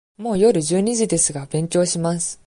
もう夜十二時ですが、勉強します。